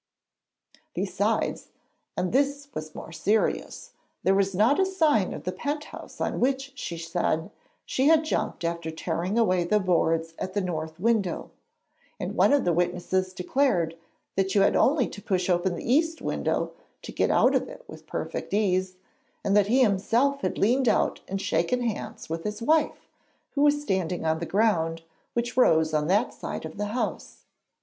Besides, and this was more serious there was not a sign of the pent house on which, she said, she had jumped after tearing away the boards at the north window; and one of the witnesses declared that you had only to push open the east window to get out of it with perfect ease, and that he himself had leaned out and shaken hands with his wife, who was standing on the ground which rose on that side of the house.